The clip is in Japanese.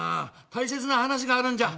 大切な話があるんじゃ。